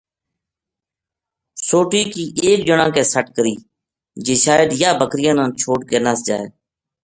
سوٹی کی ایک جنا کے سَٹ کری جے شاید یہ بکریاں نا چھوڈ کے نس جائے